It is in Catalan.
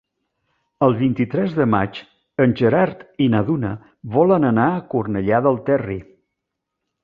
El vint-i-tres de maig en Gerard i na Duna volen anar a Cornellà del Terri.